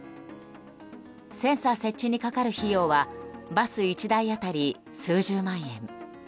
センサー設置にかかる費用はバス１台当たり数十万円。